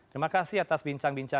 terima kasih atas bincang bincang